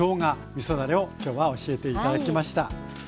みそだれを今日は教えて頂きました。